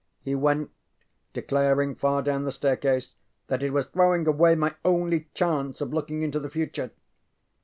ŌĆØ He went, declaring far down the staircase that it was throwing away my only chance of looking into the future.